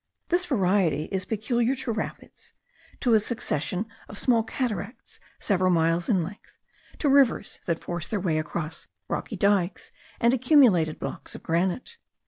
This variety is peculiar to rapids, to a succession of small cataracts several miles in length, to rivers that force their way across rocky dikes and accumulated blocks of granite.